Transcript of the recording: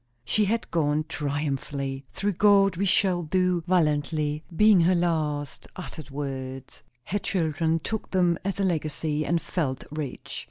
She had gone triumphantly. "Through God we shall do valiantly" being her last uttered words. Her children took them as a legacy, and felt rich.